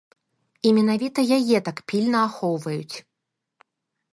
І менавіта яе так пільна ахоўваюць.